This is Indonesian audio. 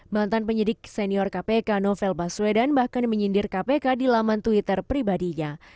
mantan penyidik senior kpk novel baswedan bahkan menyindir kpk di laman twitter pribadinya